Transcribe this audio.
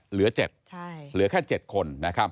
เหลือ๗เหลือแค่๗คนนะครับ